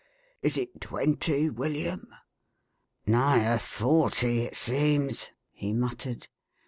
Is it twenty, William ?"" Nigher forty, it seems," he muttered.